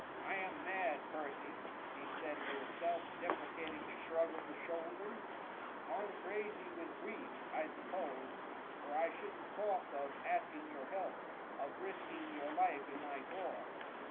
"I am mad, Percy," he said with a self deprecating shrug of the shoulders, "gone crazy with grief, I suppose, or I shouldn't talk of asking your help, of risking your life in my cause."